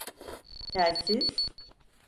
Telsiz…